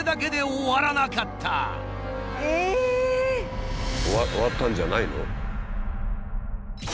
終わったんじゃないの？